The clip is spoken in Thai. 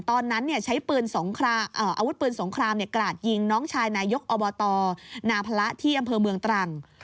ตอนนั้นใช้ปืนอาวุธปืนสงครามกราดยิงน้องชายนายกอบตนาพระที่อำเภอเมืองตรัง